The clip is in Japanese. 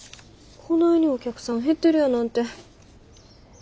こないにお客さん減ってるやなんて。